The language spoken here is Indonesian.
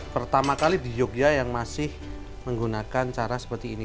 pertama kali di yogyakarta yang masih menggunakan cara seperti ini